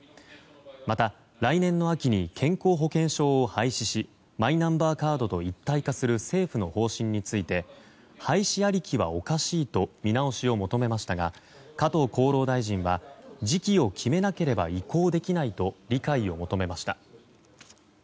また、来年の秋に健康保険証を廃止しマイナンバーカードと一体化する政府の方針について廃止ありきはおかしいと見直しを求めましたが加藤厚労大臣は時期を決めなければ移行できないと理解を求めました。